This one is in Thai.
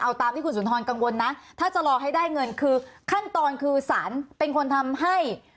เอาตามที่คุณสุนทรกังวลนะ